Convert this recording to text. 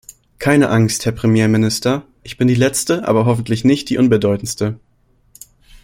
Keine Angst, Herr Premierminister, ich bin die Letzte, aber hoffentlich nicht die Unbedeutendste.